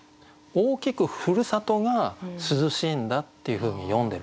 大きくふるさとが涼しいんだっていうふうに詠んでるところ。